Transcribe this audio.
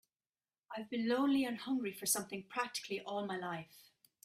I've been lonely and hungry for something practically all my life.